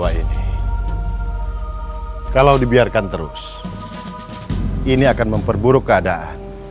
atas rupaul b pit lipstick yang kau tinggi kau seribu sembilan ratus tiga puluh